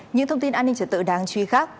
những thông tin an ninh trật tự đáng truy khắc